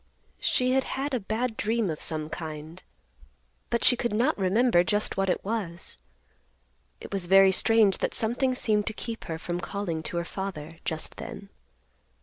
She had had a bad dream of some kind, but she could not remember just what it was. It was very strange that something seemed to keep her from calling to her father just then.